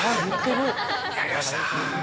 やりました。